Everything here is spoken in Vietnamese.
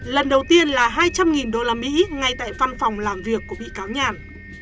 lần đầu tiên là hai trăm linh usd ngay tại văn phòng làm việc của bị cáo nhàn